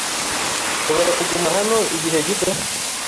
Nshobora kuguma hano igihe gito?